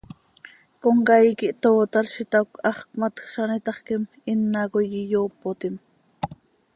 Comcaii quih tootar z itacö, hax cmatj an itaxquim, ina coi iyoopotim.